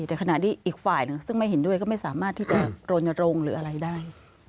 แต่ขณะที่อีกฝ่ายหนึ่งซึ่งไม่เห็นด้วยก็ไม่สามารถที่จะโรนโรงหรืออะไรได้